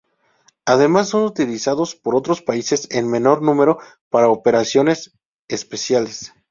Además son utilizados por otros países en menor número para operaciones especiales.